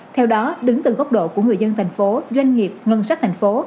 theo đó đứng từ góc độ của người dân thành phố doanh nghiệp ngân sách thành phố